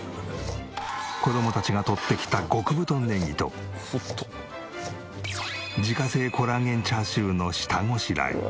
子供たちがとってきた極太ネギと自家製コラーゲンチャーシューの下ごしらえ。